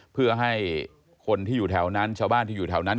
เพื่อให้คนที่อยู่แถวนั้นชาวบ้านที่อยู่แถวนั้น